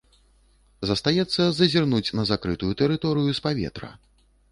Застаецца зазірнуць на закрытую тэрыторыю з паветра.